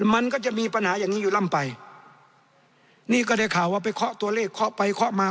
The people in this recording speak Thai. มันก็จะมีปัญหาอย่างนี้อยู่ล่ำไปนี่ก็ได้ข่าวว่าไปเคาะตัวเลขเคาะไปเคาะมา